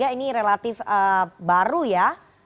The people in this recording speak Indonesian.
ini relatif baru ya